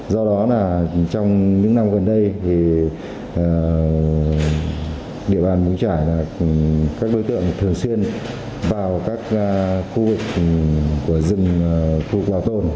do đó là trong những năm gần đây thì địa bàn mù căng trải là các đối tượng thường xuyên vào các khu vực của rừng bảo tồn